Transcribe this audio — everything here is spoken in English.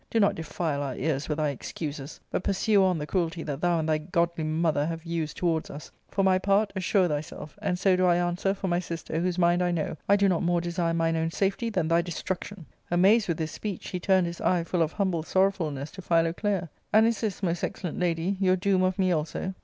do not defile our ears with thy excuses, but pursue on* the cruelty that thou and thy godly mother have used towards us ; for my part, assure thyself— and so do I answer for my sister, whose mind I know — I do not more desire mine own safety than thy destruction." Amazed with this speech, he turned his eye, full of humble sorrowfulness, to Phi loclea. "And is this, most excellent lady, your doom of me also